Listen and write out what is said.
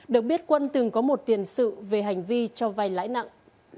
được biết quân từng có một tiền sự về hành vi cho vay lãi nặng